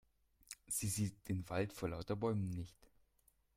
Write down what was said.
Sie sieht den Wald vor lauter Bäumen nicht.